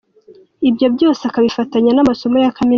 Ibyo byose akabifatanya n’amasomo ya Kaminuza.